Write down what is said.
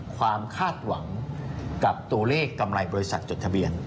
ความคาดหวังกับตัวเลขกำไรบริษัทจดทะเบียน